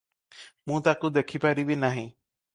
ମୁଁ ତାକୁ ଦେଖିପାରିବି ନାହିଁ ।